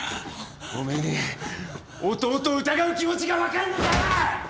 おめえに弟を疑う気持ちが分かんのかよ！